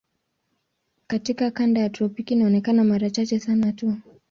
Katika kanda ya tropiki inaonekana mara chache sana tu.